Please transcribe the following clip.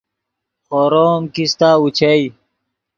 خورو ام کیستہ اوچئے